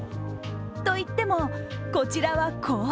といっても、こちらは氷。